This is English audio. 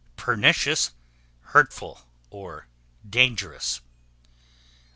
Pernicious, hurtful, dangerous.